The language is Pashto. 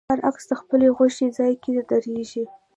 هر کس د خپلې خوښې ځای کې درېږي.